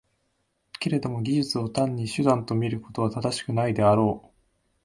けれども技術を単に手段と見ることは正しくないであろう。